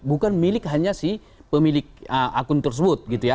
bukan milik hanya si pemilik akun tersebut